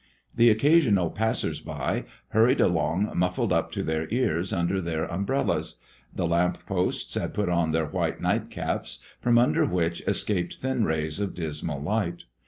The occasional passers by hurried along muffled up to their ears under their umbrellas. The lamp posts had put on their white night caps, from under which escaped thin rays of dismal light.